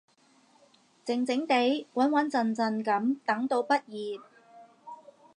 靜靜哋，穩穩陣陣噉等到畢業